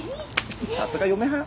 さすが嫁はん！